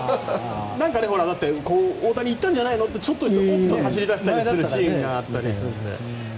だって大谷いったんじゃないのって思って走り出したりするシーンがあったりするので。